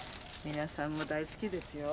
皆さんも大好きですよ。